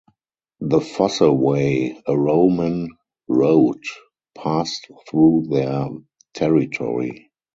The Fosse Way, a Roman road, passed through their territory.